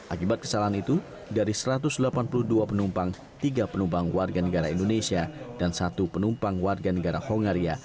akibat kesalahan itu dari satu ratus delapan puluh dua penumpang tiga penumpang warga negara indonesia dan satu penumpang warga negara hongaria